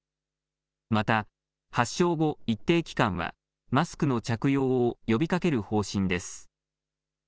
また発症後、一定期間はマスクの着用を呼びかける方針です。